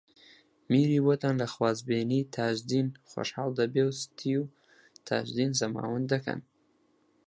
میری بۆتان لە خوازبێنیی تاجدین خۆشحاڵ دەبێ و ستی و تاجدین زەماوەند دەکەن